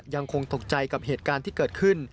ยังคงตกใจกับเหตุการณ์ที่เกิดขึ้น